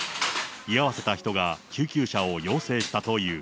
居合わせた人が救急車を要請したという。